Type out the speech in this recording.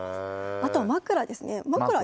あとは枕ですね。